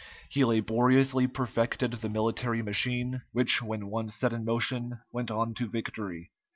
He laboriously perfected the military machine, which when once set in motion went on to victory.